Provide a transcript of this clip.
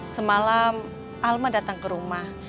semalam alma datang ke rumah